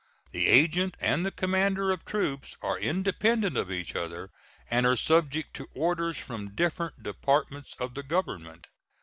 The agent and the commander of troops are independent of each other, and are subject to orders from different Departments of the Government.